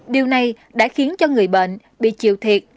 điều này đã khiến cho người bệnh bị chịu thiệt